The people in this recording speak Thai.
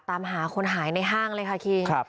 ตามหาคนหายในห้างเลยค่ะคิง